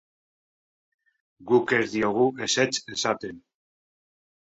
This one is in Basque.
Guk ez diegu ezetz esaten.